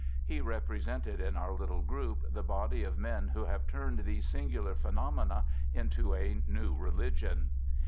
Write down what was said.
He represented in our little group the body of men who have turned these singular phenomena into a new religion.